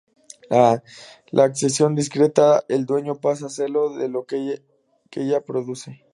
La accesión discreta el dueño pasa a serlo de lo que ella produce.